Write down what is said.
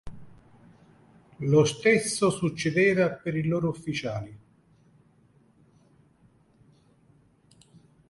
Lo stesso succedeva per i loro ufficiali.